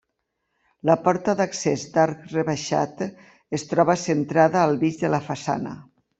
La porta d'accés d'arc rebaixat, es troba centrada al mig de la façana.